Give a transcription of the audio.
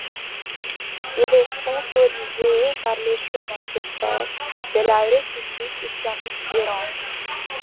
Il est sponsorisé par les Chemins de fer de la République islamique d'Iran.